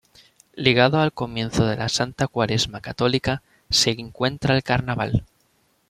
Ligado al comienzo de la Santa Cuaresma católica, se encuentra el Carnaval.